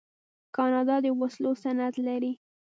کاناډا د وسلو صنعت لري.